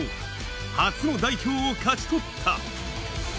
初の代表を勝ち取った。